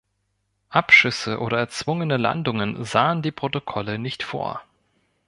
Abschüsse oder erzwungene Landungen sahen die Protokolle nicht vor.